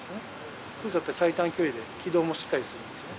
そうすると、やっぱり最短距離で軌道もしっかりするんですね。